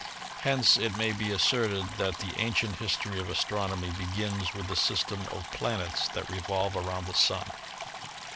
Hence it may be asserted that the ancient history of astronomy begins with the system of planets that revolve around the Sun.